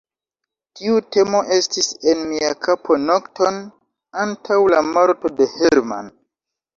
Tiu temo estis en mia kapo nokton antaŭ la morto de Hermann.